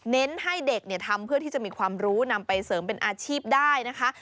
เน้นให้เด็กทำเพื่อที่จะมีความรู้นำไปเสริมเป็นอาชีพได้นะคะ